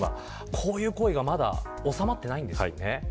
こういう行為がまだ収まっていないんです。